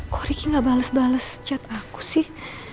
kok ricky gak bales bales chat aku sih